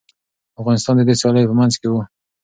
افغانستان د دې سیالیو په منځ کي و.